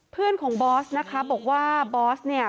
เพื่อนของบอสนะคะบอกว่าบอสเนี่ย